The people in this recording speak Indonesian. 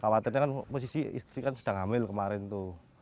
khawatirnya kan posisi istri kan sedang hamil kemarin tuh